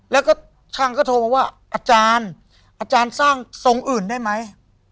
แล้วก็ช่างก็โทรมาว่าอาจารย์อาจารย์สร้างทรงอื่นได้ไหม